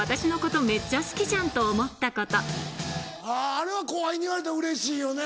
あれは後輩に言われたらうれしいよね。